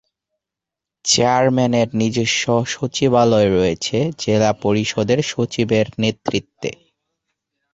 চেয়ারম্যানের নিজস্ব সচিবালয় রয়েছে জেলা পরিষদের সচিবের নেতৃত্বে।